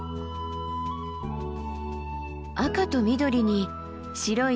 赤と緑に白い